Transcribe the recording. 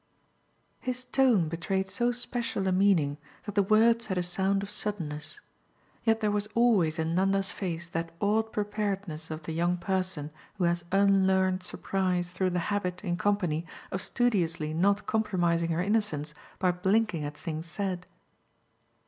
His tone betrayed so special a meaning that the words had a sound of suddenness; yet there was always in Nanda's face that odd preparedness of the young person who has unlearned surprise through the habit, in company, of studiously not compromising her innocence by blinking at things said.